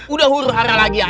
udah uruhara lagi aja